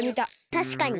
たしかに。